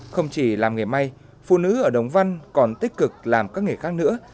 không chỉ làm nghề may phụ nữ ở đồng văn còn tích cực làm các nghề khác nữa